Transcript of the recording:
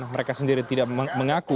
mereka sendiri tidak mengaku